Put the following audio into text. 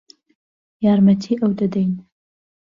یارمەتیی ئەو دەدەین.